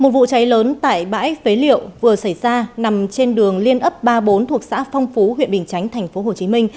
một vụ cháy lớn tại bãi phế liệu vừa xảy ra nằm trên đường liên ấp ba mươi bốn thuộc xã phong phú huyện bình chánh tp hcm